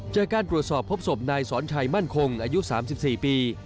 จากการตรวจสอบพบศพนายสอนชัยมั่นคงอายุ๓๔ปี